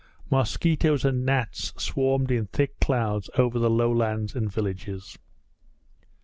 Mosquitoes and gnats swarmed in thick clouds over the low lands and villages.